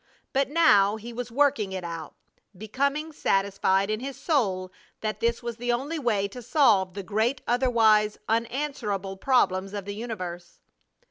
But now he was working it out, becoming satisfied in his soul that this was the only way to solve the great otherwise unanswerable problems of the universe.